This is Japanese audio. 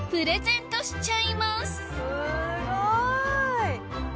すごい！